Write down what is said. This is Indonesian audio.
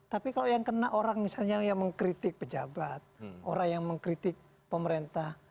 tapi kalau yang kena orang misalnya yang mengkritik pejabat orang yang mengkritik pemerintah